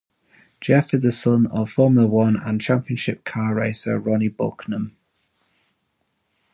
Jeff is the son of Formula One and Championship Car racer Ronnie Bucknum.